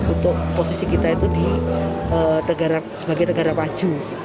untuk posisi kita itu sebagai negara maju